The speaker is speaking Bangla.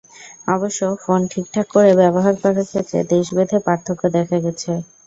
অবশ্য ফোন ঠিকঠাক করে ব্যবহার করার ক্ষেত্রে দেশভেদে পার্থক্য দেখা গেছে।